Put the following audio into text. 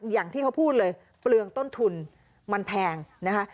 อย่างที่เขาพูดเลยเปลืองต้นทุนมันแพงนะคะ